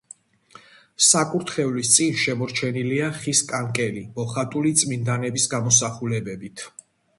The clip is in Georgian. საკურთხევლის წინ შემორჩენილია ხის კანკელი მოხატული წმინდანების გამოსახულებებით.